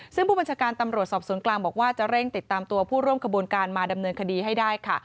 ซึ่งผู้บัญชาการตำรวจสอบสวนกลางบอกว่าจะเร่งติดตามตัวผู้ร่วมขบวนการมาดำเนินคดีให้ได้ค่ะ